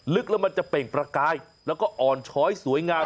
ลึกแล้วมันจะเปล่งประกายแล้วก็อ่อนช้อยสวยงาม